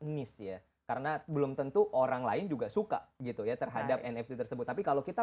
nis ya karena belum tentu orang lain juga suka gitu ya terhadap nft tersebut tapi kalau kita